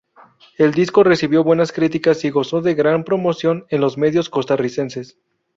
El disco recibió buenas críticas y gozó de gran promoción en los medios costarricenses.